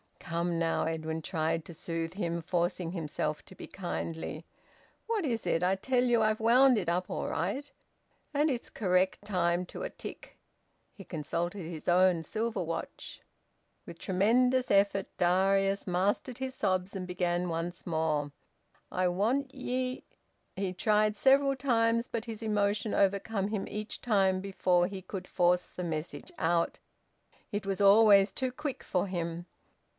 "Come now!" Edwin tried to soothe him, forcing himself to be kindly. "What is it? I tell you I've wound it up all right. And it's correct time to a tick." He consulted his own silver watch. With a tremendous effort, Darius mastered his sobs, and began once more, "I want ye " He tried several times, but his emotion overcame him each time before he could force the message out. It was always too quick for him.